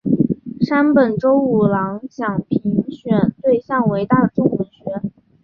山本周五郎奖评选对象为大众文学。